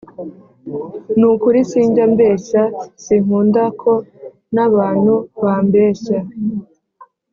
Nukuri sinjya mbeshya sinkunda ko nabanu bambeshya